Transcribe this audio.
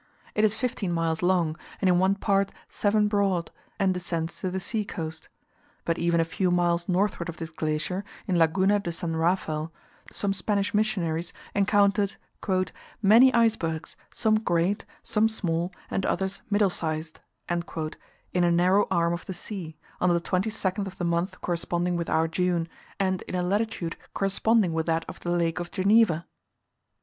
It is 15 miles long, and in one part 7 broad and descends to the sea coast. But even a few miles northward of this glacier, in Laguna de San [picture] Rafael, some Spanish missionaries encountered "many icebergs, some great, some small, and others middle sized," in a narrow arm of the sea, on the 22nd of the month corresponding with our June, and in a latitude corresponding with that of the Lake of Geneva!